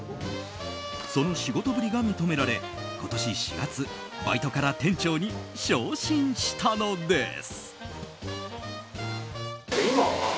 その仕事ぶりが認められ今年４月、バイトから店長に昇進したのです。